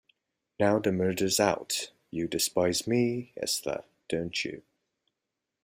Now the murder's out; you despise me, Esther, don't you?